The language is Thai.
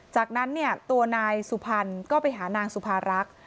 จากนั้นเนี่ยตัวนายสุพรรณก็ไปหานางสุภารักษ์